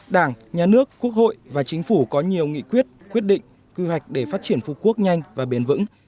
đảng nhà nước quốc hội và chính phủ có nhiều nghị quyết quyết định quy hoạch để phát triển phú quốc nhanh và bền vững